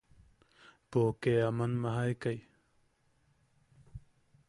Poke aman majaekai.